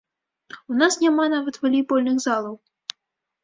У нас няма нават валейбольных залаў.